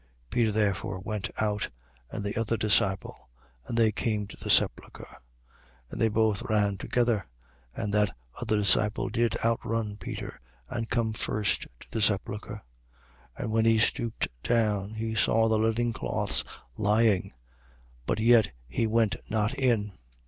20:3. Peter therefore went out, and the other disciple: and they came to the sepulchre. 20:4. And they both ran together: and that other disciple did outrun Peter and came first to the sepulchre. 20:5. And when he stooped down, he saw the linen cloths lying: but yet he went not in.